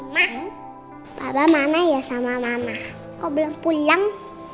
ma papa mana ya sama mama kok belum pulang